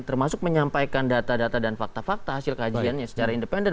termasuk menyampaikan data data dan fakta fakta hasil kajiannya secara independen